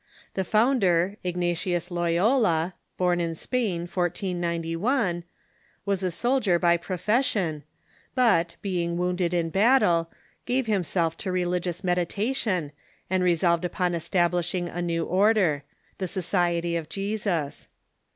The founder, Ignatius Loyola, born in Spain, 1491, was a soldier by profession, but, being wounded in battle, gave himself to religious meditation, and resolved upon establishing a new order — the Society of Jesus.